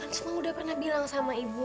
kan semua udah pernah bilang sama ibu